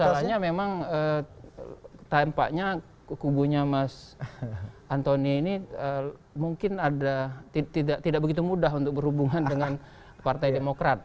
masalahnya memang tampaknya kubunya mas antoni ini mungkin ada tidak begitu mudah untuk berhubungan dengan partai demokrat